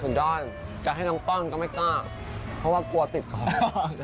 คุณด้อนจะให้น้องป้อนก็ไม่กล้าเพราะว่ากลัวติดคอ